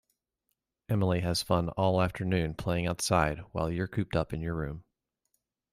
Emily has fun all afternoon playing outside while you're cooped up in your room